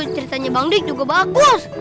ceritanya bang dik juga bagus